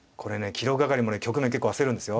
記録係もね局面結構焦るんですよ